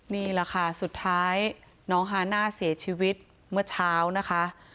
นี่แหละค่ะสุดท้ายน้องฮาน่าเสียชีวิตเมื่อเช้านะคะ